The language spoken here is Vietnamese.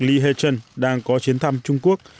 li hê trân đang có chiến thăm trung quốc